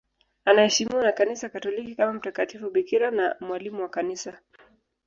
Anaheshimiwa na Kanisa Katoliki kama mtakatifu bikira na mwalimu wa Kanisa.